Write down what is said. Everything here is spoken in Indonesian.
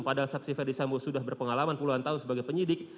padahal saksi ferdisambo sudah berpengalaman puluhan tahun sebagai penyidik